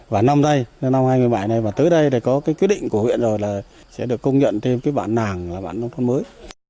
và năm nay năm hai nghìn một mươi bảy này và tới đây thì có cái quyết định của huyện rồi là sẽ được công nhận thêm cái bản nàng là bản nông thôn mới